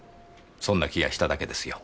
そんな気がしただけですよ。